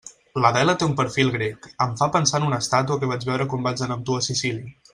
L'Adela té un perfil grec, em fa pensar en una estàtua que vaig veure quan vaig anar amb tu a Sicília.